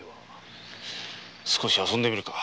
少し遊んでみるか。